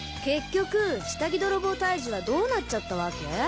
結局下着ドロボー退治はどうなっちゃったわけ？